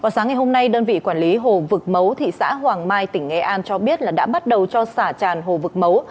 sáng ngày hôm nay đơn vị quản lý hồ vực mấu thị xã hoàng mai tỉnh nghệ an cho biết là đã bắt đầu cho xả tràn hồ vực mấu